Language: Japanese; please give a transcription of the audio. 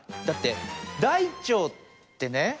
だって大腸ってね